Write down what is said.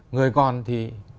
người con thì